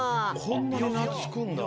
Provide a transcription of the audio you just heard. こんなになつくんだ。